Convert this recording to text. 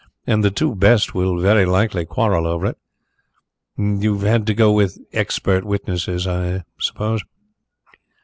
And the two best will very likely quarrel over it. You've had to do with 'expert witnesses,' I suppose?"